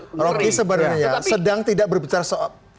itu karena rocky sebenarnya sedang tidak berbicara soal